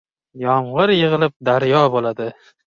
• Yomg‘ir yig‘ilib daryo bo‘ladi.